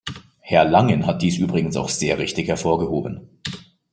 Herr Langen hat dies übrigens auch sehr richtig hervorgehoben.